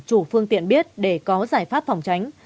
chủ phương tiện biết để có giải pháp phòng tránh